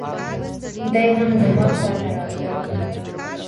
دی هم زما خواته راغی.